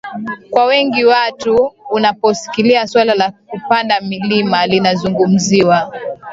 kwa wengi wetu unaposikia swala la kupanda mlima linazungumziwa